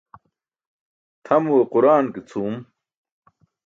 Tʰamuwe quraan ke cʰuum.